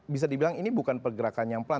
bisa dibilang ini bukan pergerakan yang pelan